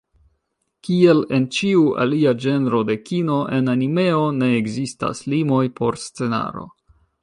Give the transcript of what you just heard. Kiel en ĉiu alia ĝenro de kino, en animeo ne ekzistas limoj por scenaro.